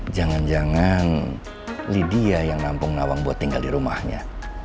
jangan jangan lydia yang nampung nawang buat tinggal di rumahnya